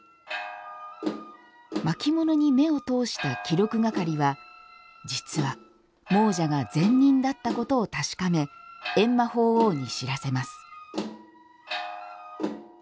巻物に目を通した記録係は実は、亡者が善人だったことを確かめ閻魔法王に知らせます。